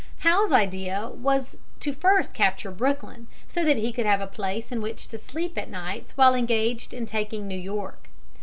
Howe's idea was to first capture Brooklyn, so that he could have a place in which to sleep at nights while engaged in taking New York.